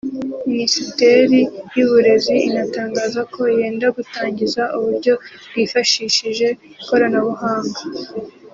Minisiteri y’uburezi inatangaza ko yenda gutangiza uburyo bwifashishije ikoranabuhanga